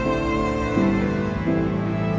sa hatimu banjir